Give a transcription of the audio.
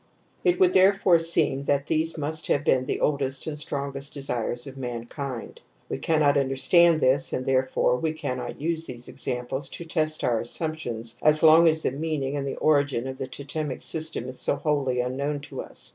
^ It would therefore seem that these must have been the oldest and strongest desires of mankind. ) We cannot understand this and therefore we cannot use these examples to test our assump tions as long as the meaning and the origin of the totemic system is so wholly unknown to us